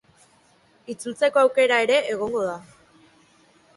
Itzultzeko aukera ere egongo da.